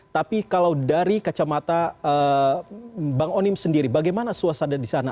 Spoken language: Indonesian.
tapi kalau dari kacamata bang onim sendiri bagaimana suasana di sana